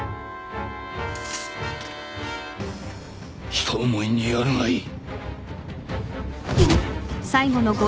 ひと思いにやるがいい。